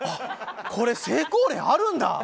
これ、成功例あるんだ。